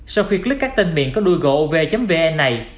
sau khuyết lứt các tên miền có đuôi gov vn này